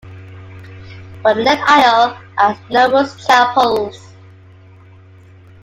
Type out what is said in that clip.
By the left aisle are numerous chapels.